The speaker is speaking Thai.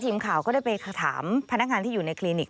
ทีมข่าวก็ได้ไปถามพนักงานที่อยู่ในคลินิก